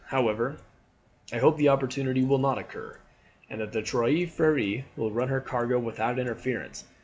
However, I hope the opportunity will not occur, and that the Trois Freres will run her cargo without interference.